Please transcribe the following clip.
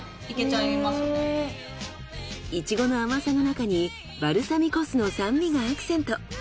イチゴの甘さの中にバルサミコ酢の酸味がアクセント。